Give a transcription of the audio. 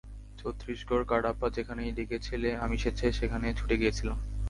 ছত্রিশগড়, কাডাপা যেখানেই ডেকেছিলে আমি স্বেচ্ছায় সেখানে ছুটে গিয়েছিলাম।